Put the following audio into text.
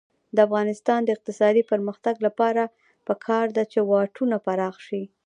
د افغانستان د اقتصادي پرمختګ لپاره پکار ده چې واټونه پراخ شي.